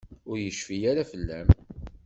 Ur yecfi ara fell-am.